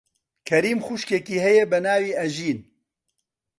کەریم خوشکێکی هەیە بە ناوی ئەژین.